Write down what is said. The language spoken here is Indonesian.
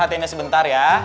perhatiannya sebentar ya